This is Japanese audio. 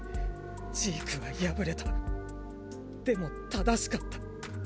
ジークは敗れたでも正しかった。